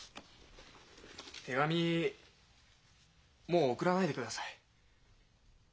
手紙もう送らないでください。